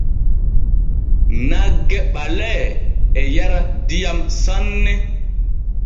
Nagge ɓalee e yara diyam sanne.